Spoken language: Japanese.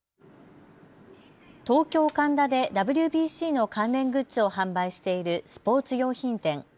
東京神田でＷＢＣの関連グッズを販売しているスポーツ用品店。